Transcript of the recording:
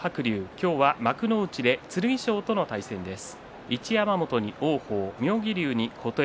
今日は幕内で剣翔との対戦です。